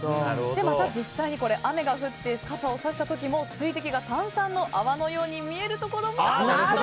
また、実際に雨が降って傘をさした時も水滴が炭酸の泡のように見えるところも。